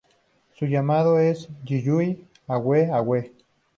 Su llamado es un "yi-yuii-uwee-uwee".